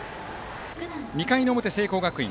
２回の表、聖光学院。